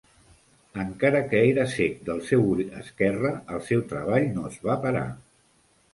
Encara que era ceg del seu ull esquerre, el seu treball no es va parar.